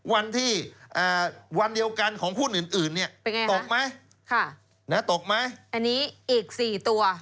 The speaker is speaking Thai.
วันที่วันเดียวกันของหุ้นอื่นเนี่ยตกไหมตกไหมอันนี้อีก๔ตัว